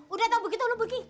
udah tahu begitu lo pergi